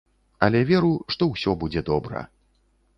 Але веру, што ўсё будзе добра.